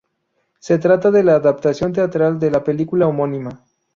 Se trata de la adaptación teatral de la película homónima.